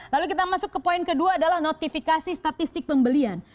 lalu kita masuk ke poin kedua adalah notifikasi statistik pembelian